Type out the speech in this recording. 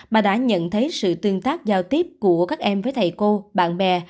mà đã nhận thấy sự tương tác giao tiếp của các em với thầy cô bạn bè